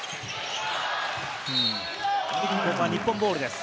ここは日本ボールです。